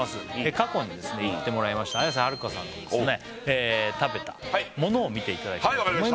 過去に行ってもらいました綾瀬はるかさんが食べたものを見ていただきたいと思います